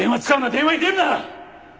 電話に出るな！